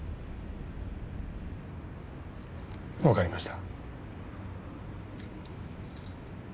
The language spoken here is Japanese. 分かりました。